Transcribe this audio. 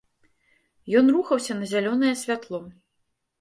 Ён рухаўся на зялёнае святло.